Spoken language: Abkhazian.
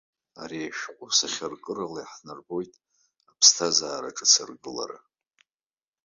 Ари ашәҟәы сахьаркырала иаҳнарбоит аԥсҭазаара ҿыц аргылара.